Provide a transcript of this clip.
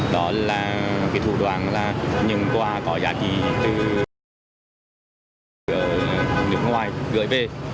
đó là cái thủ đoạn là những quà có giá trị từ nước ngoài gửi về